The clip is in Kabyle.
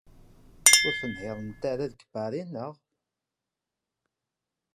Ur tenhiṛemt ara deg Paris, naɣ?